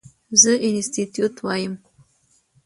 زه انسټيټيوټ وایم.